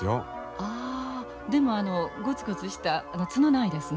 ああでもあのゴツゴツした角ないですね。